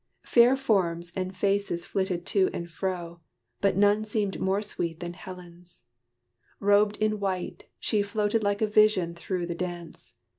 Fair forms and faces flitted to and fro; But none more sweet than Helen's. Robed in white, She floated like a vision through the dance.